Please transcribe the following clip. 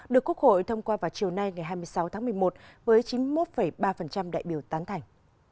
được quốc hội thông qua vào chiều nay ngày hai mươi sáu tháng một mươi một với chín mươi một ba đại biểu tán thành